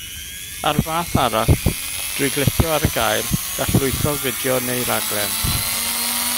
Ar fath arall, drwy glicio ar y gair, gall lwytho fideo neu raglen.